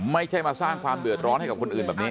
ไม่ใช่มาสร้างความเดือดร้อนให้กับคนอื่นแบบนี้